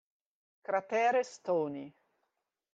Cratere Stoney